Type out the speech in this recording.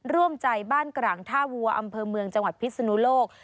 ร่วมใจบ้านกร่างท่าวัวอำเภอเมืองจังหวัดพิศนุโลก